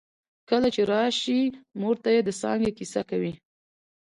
کله چې راشې مور ته يې د څانګې کیسه کوي